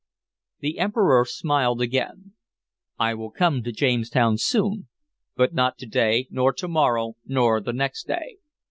The Emperor smiled again. "I will come to Jamestown soon, but not to day nor to morrow nor the next day.